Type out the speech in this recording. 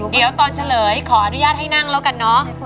เดี๋ยวตอนเฉลยขออนุญาตให้นั่งแล้วกันเนอะ